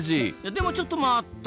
でもちょっと待った！